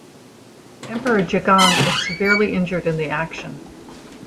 Emperor Jagang is severely injured in the action.